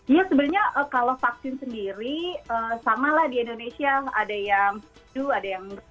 iya sebenarnya kalau vaksin sendiri sama lah di indonesia ada yang do ada yang no